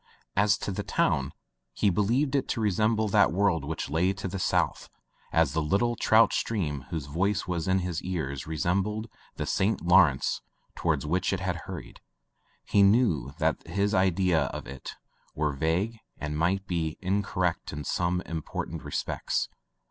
As to the town he believed it to resemble that world which lay to the south as the little trout stream whose voice was in his ears re sembled the St. Lawrence toward which it hurried. He knew that his ideas of it were vague and might be incorrect in some im portant respects.